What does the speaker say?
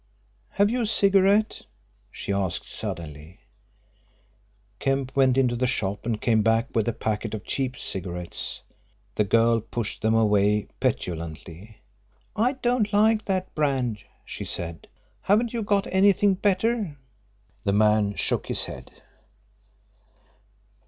"Have you a cigarette?" she asked suddenly. Kemp went into the shop and came back with a packet of cheap cigarettes. The girl pushed them away petulantly. "I don't like that brand," she said; "haven't you anything better?" The man shook his head.